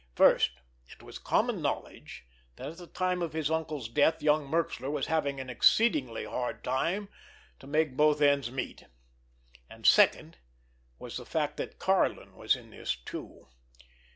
First, it was common knowledge that at the time of his uncle's death young Merxler was having an exceedingly hard time of it to make both ends meet. And, second, was the fact that Karlin was in this too.